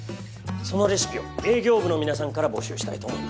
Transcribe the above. そのレシピを営業部の皆さんから募集したいと思います。